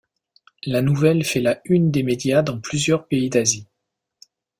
La nouvelle fait la une des médias dans plusieurs pays d'Asie.